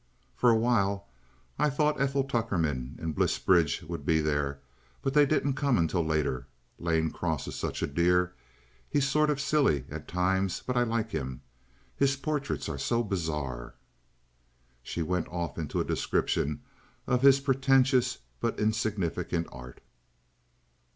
"For a while. I thought Ethel Tuckerman and Bliss Bridge would be there, but they didn't come until later. Lane Cross is such a dear. He's sort of silly at times, but I like him. His portraits are so bizarre." She went off into a description of his pretentious but insignificant art.